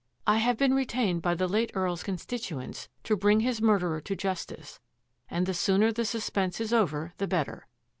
" I have been retained by the late EarPs constituents to bring his murderer to justice, and the sooner the suspense is over the better.